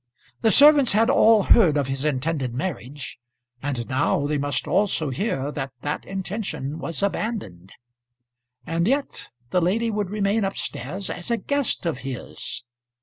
The servants had all heard of his intended marriage, and now they must also hear that that intention was abandoned. And yet the lady would remain up stairs as a guest of his!